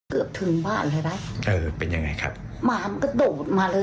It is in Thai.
ก็เห็นแล้วยายก็เอาหัวฝุดไว้